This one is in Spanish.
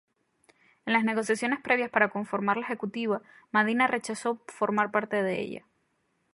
En las negociaciones previas para conformar la Ejecutiva, Madina rechazó formar parte de ella.